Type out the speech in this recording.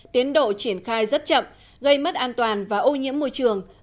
tiến độ triển khai rất chậm gây mất an toàn và ô nhiễm môi trường